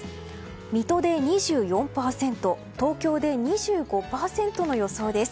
水戸で２４％東京で２５％の予想です。